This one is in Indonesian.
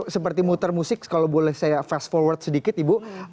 seperti muter musik kalau boleh saya fast forward sedikit ibu